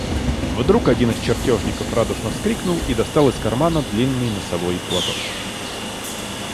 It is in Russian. Вдруг один из чертежников радостно вскрикнул и достал из кармана длинный носовой платок.